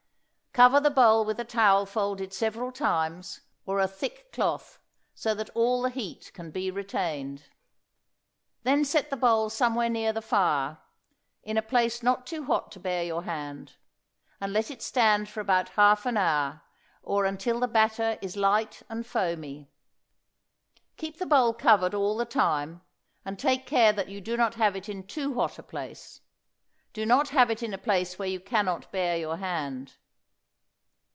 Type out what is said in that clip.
Cover the bowl with a towel folded several times, or a thick cloth, so that all the heat can be retained. Then set the bowl somewhere near the fire, in a place not too hot to bear your hand, and let it stand for about half an hour, or until the batter is light and foamy. Keep the bowl covered all the time, and take care that you do not have it in too hot a place. Don't have it in a place where you can not bear your hand.